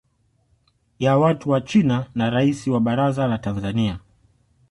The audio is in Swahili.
ya watu wa China na Rais wa baraza la Tanzania